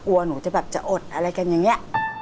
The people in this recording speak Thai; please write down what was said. หนูจะแบบจะอดอะไรกันอย่างนี้